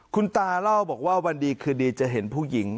คุณตาเล่าบอกว่าวันดีคืนดีจะเห็นผู้หญิง